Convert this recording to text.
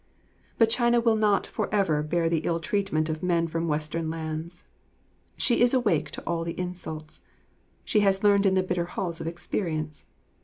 But China will not forever bear the ill treatment of men from Western lands. She is awake to all the insults; she has learned in the bitter halls of experience.